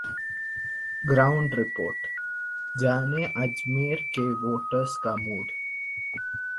ground report: जानें अजमेर के voters का मूड